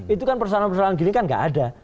itu kan persoalan persoalan gini kan nggak ada